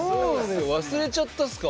忘れちゃったんすか？